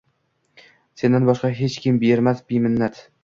Sendan boshqa hech kim bermas beminnat